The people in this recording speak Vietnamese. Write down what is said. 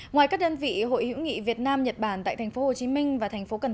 ngoài các đơn vị hội hữu nghị việt nam nhật bản tại tp hcm và tp cn